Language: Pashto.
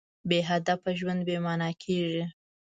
بېهدفه ژوند بېمانا کېږي.